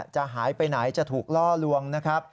จะหายไปไหนจะถูกล่อลวง